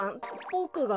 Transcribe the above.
ボクが？